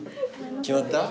決まった？